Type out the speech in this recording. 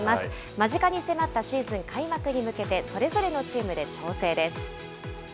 間近に迫ったシーズン開幕に向けて、それぞれのチームで調整です。